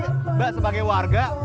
nah ini mbak sebagai warga